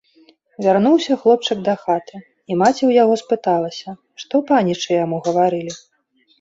Вярнуўся хлопчык дахаты, і маці ў яго спыталася, што панічы яму гаварылі.